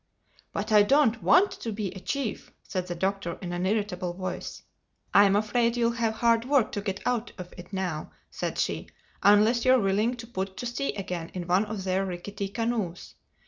"But I don't want to be a chief," said the Doctor in an irritable voice. "I'm afraid you'll have hard work to get out of it now," said she—"unless you're willing to put to sea again in one of their rickety canoes.